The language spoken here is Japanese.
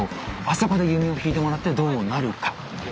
あそこで弓を引いてもらってどうなるか。